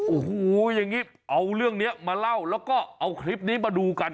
โอ้โหอย่างนี้เอาเรื่องนี้มาเล่าแล้วก็เอาคลิปนี้มาดูกัน